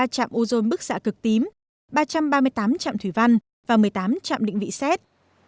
ba trạm ozone bức xạ cực tím ba trăm ba mươi tám trạm thủy văn và một mươi tám trạm định vị xét